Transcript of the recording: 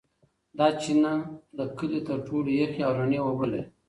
دا چینه د کلي تر ټولو یخې او رڼې اوبه لري.